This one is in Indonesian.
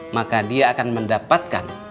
maka dia akan mendapatkan